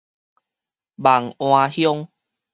望安鄉